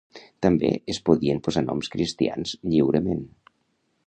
També es podien posar noms cristians lliurement.